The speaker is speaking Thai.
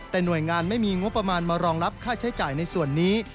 แต่หน่วยงานไม่มีงบประมาณมารองรับค่าใช้จ่ายในส่วนนี้